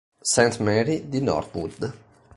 Saint Mary" di Norwood.